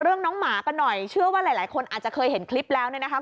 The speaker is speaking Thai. น้องหมากันหน่อยเชื่อว่าหลายคนอาจจะเคยเห็นคลิปแล้วเนี่ยนะคะ